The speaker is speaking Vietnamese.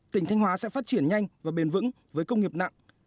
tỉnh thanh hóa sẽ phát triển nhanh và bền vững với công nghiệp nặng